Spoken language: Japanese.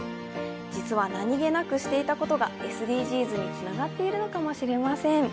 実は何気なくしていたことがＳＤＧｓにつながっているのかもしれません。